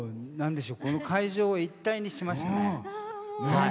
会場を一体にしましたね。